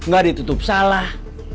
ga ditutup salah